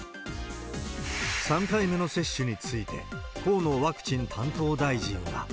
３回目の接種について、河野ワクチン担当大臣は。